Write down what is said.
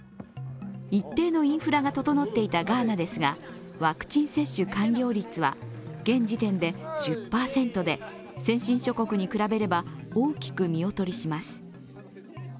一定のインフラが整っていたガーナですが、ワクチン接種完了率は現時点で１０％で、先進諸国に比べれば大きく見劣りします。